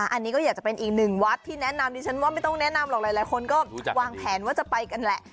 อันนี้ก็อยากเป็นอีก๑วัดผมไม่ต้องแนะนำเนี่ยหลายคนก็วางแผนว่าจะไปกันล่ะ